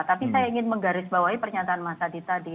tapi saya ingin menggarisbawahi pernyataan mas adi tadi